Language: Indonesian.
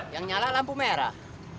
yang nyala lampu merah